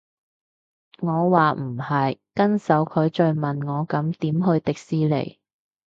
我話唔係，跟手佢再問我咁點去迪士尼